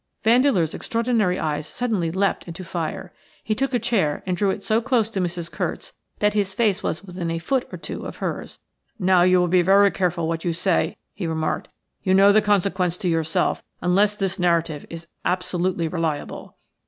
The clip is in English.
Vandeleur's extraordinary eyes suddenly leapt into fire. He took a chair and drew it so close to Mrs. Curt's that his face was within a foot or two of hers. "Now, you will be very careful what you say," he remarked. "You know the consequence to yourself unless this narrative is absolutely reliable."